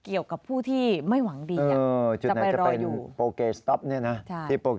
เกี่ยวกับผู้ที่ไม่หวังดี